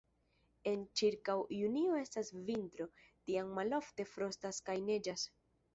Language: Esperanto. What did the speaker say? En ĉirkaŭ junio estas vintro, tiam malofte frostas kaj neĝas.